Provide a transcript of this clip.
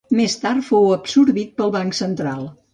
Més tard fou absorbit pel Banc Central.